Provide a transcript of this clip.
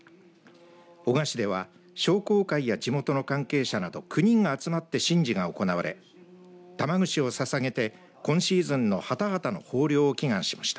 男鹿市では商工会や地元の関係者など９人が集まって神事が行われ玉串をささげて今シーズンのハタハタの豊漁を祈願しました。